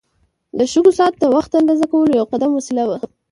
د شګو ساعت د وخت اندازه کولو یو قدیم وسیله وه.